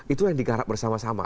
itu yang digarap bersama sama